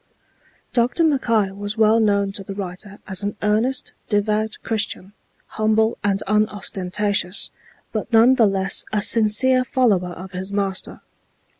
Dr. Mackay was well known to the writer as an earnest, devout Christian, humble and unostentatious, but none the less a sincere follower of his Master.